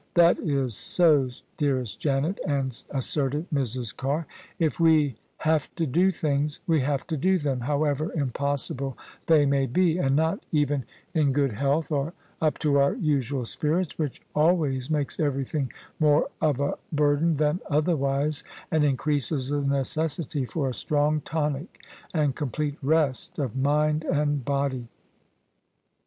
" That is so, dearest Janet," assented Mrs. Carr; " if we have to do things, we have to do them, however impossible they may be, and not even in good health or up to our usual spirits, which always makes everything more of a burden [i8o] OF ISABEL CARNABY than otherwise and increases the necessity for a strong tonic and complete rest of mind and body."